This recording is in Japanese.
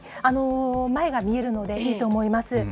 前が見えるので、いいと思います。